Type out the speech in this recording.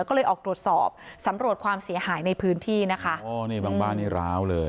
ก็เลยออกตรวจสอบสำรวจความเสียหายในพื้นที่นะคะอ๋อนี่บางบ้านนี่ร้าวเลย